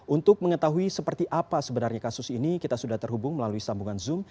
untuk mengetahui seperti apa sebenarnya kasus ini kita sudah terhubung melalui sambungan zoom